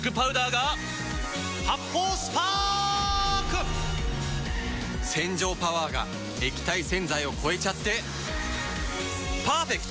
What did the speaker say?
発泡スパーク‼洗浄パワーが液体洗剤を超えちゃってパーフェクト！